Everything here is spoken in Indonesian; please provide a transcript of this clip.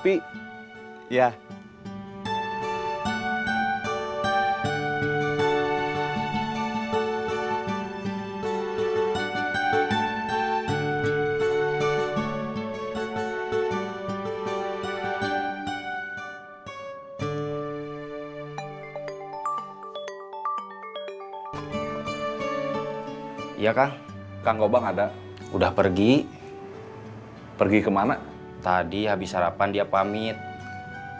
ben mengemukakan" saya kolomnya humble